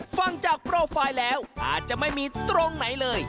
ฟังจากโปรไฟล์แล้วอาจจะไม่มีตรงไหนเลย